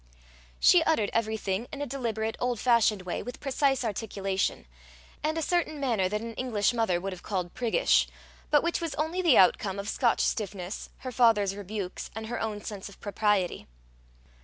She uttered everything in a deliberate, old fashioned way, with precise articulation, and a certain manner that an English mother would have called priggish, but which was only the outcome of Scotch stiffness, her father's rebukes, and her own sense of propriety.